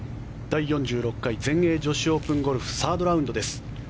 第４６回全英女子オープンゴルフサードラウンドです。